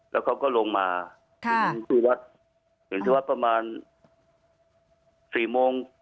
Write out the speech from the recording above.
แล้วเขาก็ลงมาถึงที่วัดถึงที่วัดประมาณ๔โมง